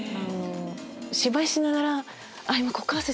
芝居しながら。